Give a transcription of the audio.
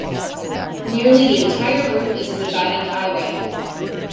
Nearly the entire route is a divided highway.